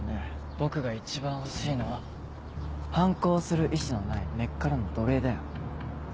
僕が一番欲しいのは反抗する意志のない根っからの奴隷だよ。